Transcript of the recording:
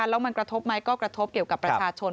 แล้วมันกระทบไหมก็กระทบเกี่ยวกับประชาชน